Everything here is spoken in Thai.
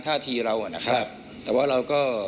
ท่าทีเราอ่ะนะครับแต่ว่าเราก็